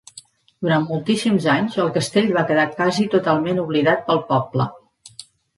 Durant moltíssims anys el castell va quedar casi totalment oblidat pel poble.